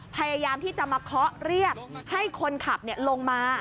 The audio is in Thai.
พยายามที่จะมาเคาะเรียกให้คนขับลงมา